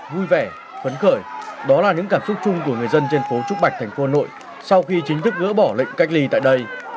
vui vẻ phấn khởi đó là những cảm xúc chung của người dân trên phố trúc bạch thành phố hà nội sau khi chính thức gỡ bỏ lệnh cách ly tại đây